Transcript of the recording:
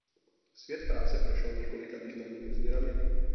Svět práce prošel několika významnými změnami.